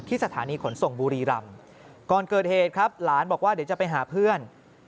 สถานีขนส่งบุรีรำก่อนเกิดเหตุครับหลานบอกว่าเดี๋ยวจะไปหาเพื่อน